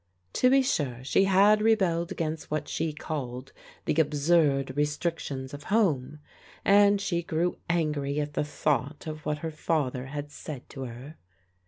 To be sure, she had rebelled against what she called the absurd restrictions of home, and she grew angry at the thought of what her father had said to her.